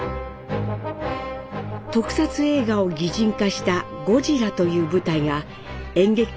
特撮映画を擬人化した「ゴジラ」という舞台が演劇界の権威ある賞を受賞。